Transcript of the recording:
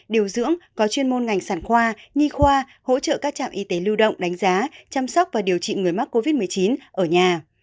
điều dưỡng có chuyên môn ngành sản khoa nhi khoa hỗ trợ các trạm y tế lưu động đánh giá chăm sóc và điều trị người mắc covid một mươi chín ở nhà